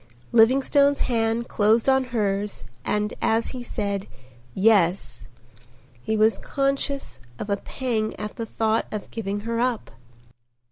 Livingstone's hand closed on hers and as he said "Yes," he was conscious of a pang at the thought of giving her up.